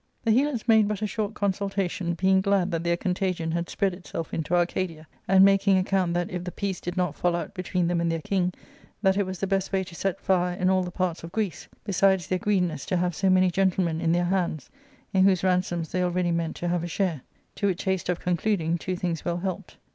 r ^ The Helots made but a short consultation, being glad that ' their contagion had spread itself into Arcadia, and making^ ' account that if the peace did not fall out between them and their king, that it was the best way to set fire in all the parts of Greece ; besides their greediness to have so many gentle men in their hands, in whose ransoms they already meant to have a share ; to which haste of concluding two things well helped.